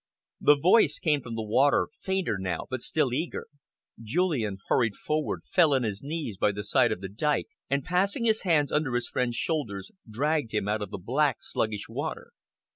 The voice came from the water, fainter now but still eager. Julian hurried forward, fell on his knees by the side of the dyke and, passing his hands under his friend's shoulders, dragged him out of the black, sluggish water.